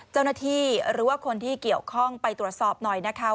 เจ้าหน้าที่หรือว่าคนที่เกี่ยวข้องไปตรวจสอบหน่อยนะคะ